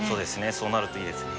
そうなるといいですね。